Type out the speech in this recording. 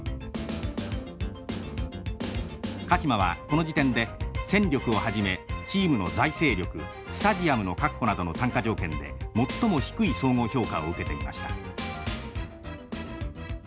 鹿島はこの時点で戦力をはじめチームの財政力スタジアムの確保などの参加条件で最も低い総合評価を受けていました。